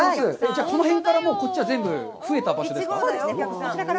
じゃあ、この辺からこっちは増えた場所ですか？